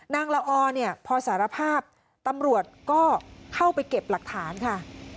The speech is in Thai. นางละอพอสารภาพตำรวจก็เข้าไปเก็บหลักฐานค่ะ